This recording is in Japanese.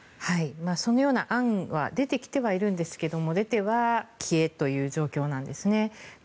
そのような案は出てきてはいるんですが出ては消えという状況なんですね。